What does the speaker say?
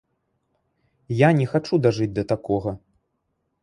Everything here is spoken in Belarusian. Я не хачу дажыць да такога.